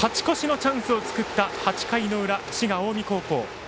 チャンスを作った８回の裏滋賀・近江高校。